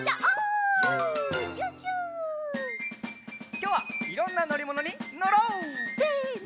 きょうはいろんなのりものにのろう！せの。